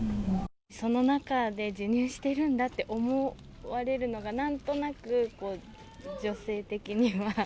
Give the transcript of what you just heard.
その中で授乳してるんだって思われるのが、なんとなく女性的には。